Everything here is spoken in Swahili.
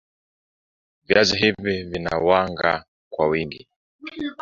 Viazi hivi vina wanga kwa wingi